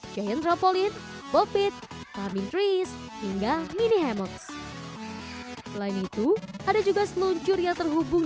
jahit rapolin popit farming trees hingga mini hammock lain itu ada juga seluncur yang terhubung